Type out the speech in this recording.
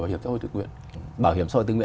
bảo hiểm xã hội tự nguyện bảo hiểm xã hội tự nguyện